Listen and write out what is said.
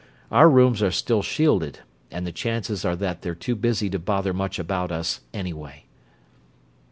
Our rooms are still shielded, and the chances are that they're too busy to bother much about us, anyway."